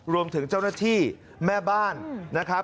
รวมถึงเจ้าหน้าที่แม่บ้านนะครับ